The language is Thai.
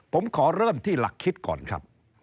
ผมขอเริ่มที่หลักคิดก่อนครับ